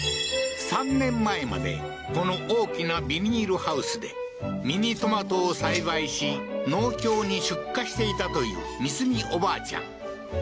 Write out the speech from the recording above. ３年前までこの大きなビニールハウスでミニトマトを栽培し農協に出荷していたというミスミおばあちゃん